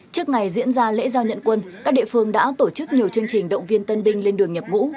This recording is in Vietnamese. trước ngày diễn ra lễ giao nhận quân các địa phương đã tổ chức nhiều chương trình động viên tân binh lên đường nhập ngũ